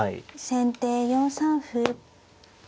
先手４三歩。